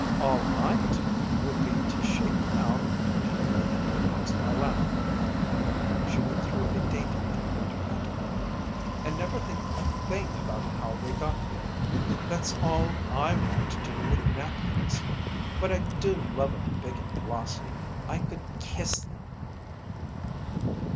All I'd do, would be to shake them out and lay them across my lap," she went through a dainty fingered pantomime, "and never think a thing about how they got there. That's all I want to do with napkins. But I do love 'em big and glossy. I could kiss them!"